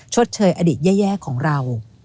ชดเชยอดีตแย่ของเรา